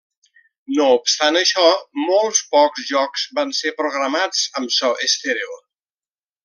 No obstant això, molt pocs jocs van ser programats amb so estèreo.